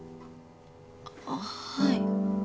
あっはい。